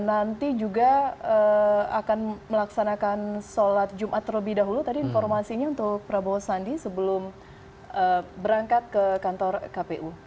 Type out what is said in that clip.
nanti juga akan melaksanakan sholat jumat terlebih dahulu tadi informasinya untuk prabowo sandi sebelum berangkat ke kantor kpu